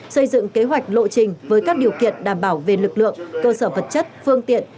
xây dựng kế hoạch lộ trình với các điều kiện đảm bảo về lực lượng cơ sở vật chất phương tiện